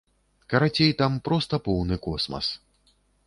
Карацей, там проста поўны космас.